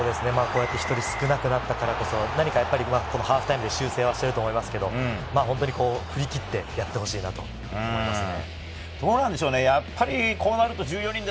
１人少なくなったからこそハーフタイムで修正すると思いますけれど、振り切ってやってほしいと思いますね。